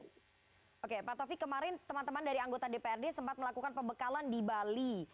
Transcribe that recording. oke pak taufik kemarin teman teman dari anggota dprd sempat melakukan pembekalan di bali